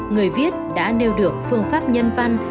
người viết đã nêu được phương pháp nhân văn